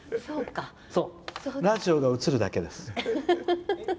ラジオが映るだけです。